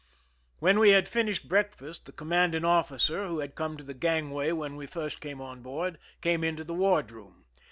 When we had fin ished breakfast, the commanding officer, who had come to the gangway when we first came on board, came into the ward room.